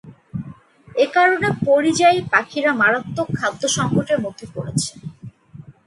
একারণে পরিযায়ী পাখিরা মারাত্মক খাদ্য সংকটের মধ্যে পড়েছে।